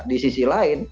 di sisi lain